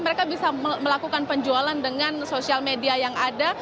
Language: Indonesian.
mereka bisa melakukan penjualan dengan sosial media yang ada